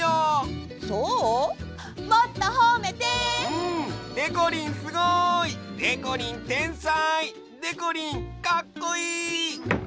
うん！でこりんすごい！でこりんてんさい！でこりんかっこいい！